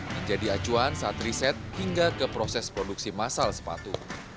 menjadi acuan saat riset hingga ke proses produksi masal sepatu